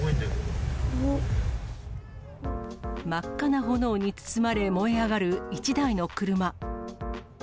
真っ赤な炎に包まれ燃え上がる１台の車。